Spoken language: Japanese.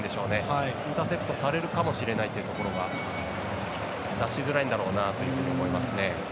インターセプトされるかもしれないというところが出しづらいんだろうなと思います。